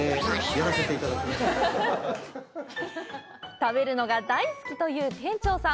食べるのが大好きという店長さん。